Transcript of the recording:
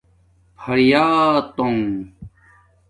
فریاتُنگ